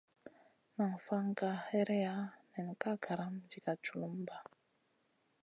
Nam fan gah hèreya nen ka garam diga tchulumba.